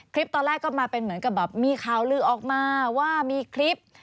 ตอนแรกก็มาเป็นเหมือนกับแบบมีข่าวลือออกมาว่ามีคลิป